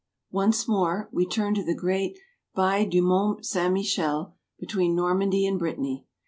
Once more. We turn to the great Baie du Mont Saint Michel, between Normandy and Brittany.